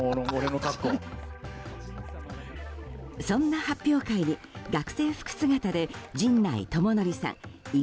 そんな発表会に学生服姿で陣内智則さん